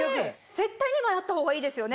絶対２枚あったほうがいいですよね。